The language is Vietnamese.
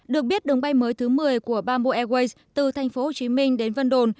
được biết đường bay mới thứ một mươi của bamboo airways từ thành phố hồ chí minh đến vân đồn